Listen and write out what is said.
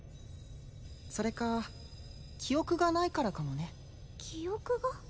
それか記憶がないからかもね記憶が？